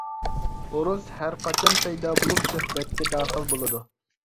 ئورۇس ھەرقاچان پەيدا بولۇپ سۆھبەتكە داخىل بولىدۇ.